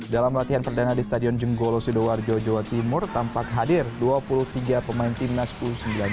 dalam latihan perdana di stadion jenggolo sidoarjo jawa timur tampak hadir dua puluh tiga pemain timnas u sembilan belas